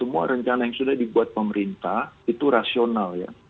semua rencana yang sudah dibuat pemerintah itu rasional ya